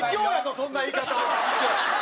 そんな言い方。